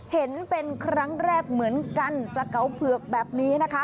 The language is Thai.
เห็นเป็นครั้งแรกเหมือนกันปลาเก๋าเผือกแบบนี้นะคะ